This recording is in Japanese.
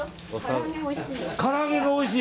から揚げがおいしい。